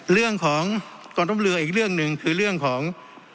เรื่องของกองทัพเรืออีกเรื่องหนึ่งคือเรื่องของ